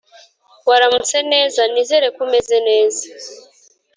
Waramutse neza? Nizere ko umeze neza?